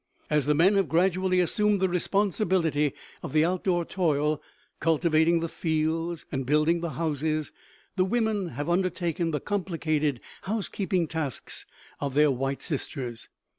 As the men have gradually assumed the responsibility of the outdoor toil, cultivating the fields and building the houses, the women have undertaken the complicated housekeeping tasks of their white sisters.